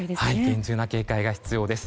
厳重な警戒が必要です。